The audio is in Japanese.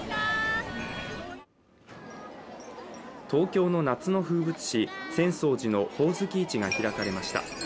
東京の夏の風物詩浅草寺のほおずき市が開かれました。